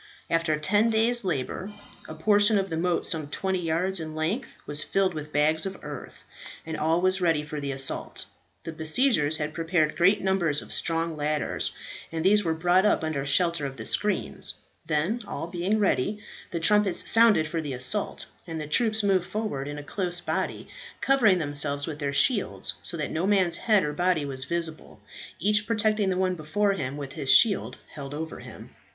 After ten days' labour, a portion of the moat some twenty yards in length was filled with bags of earth, and all was ready for the assault. The besiegers had prepared great numbers of strong ladders, and these were brought up under shelter of the screens. Then, all being ready, the trumpets sounded for the assault, and the troops moved forward in a close body, covering themselves with their shields so that no man's head or body was visible, each protecting the one before him with his shield held over him.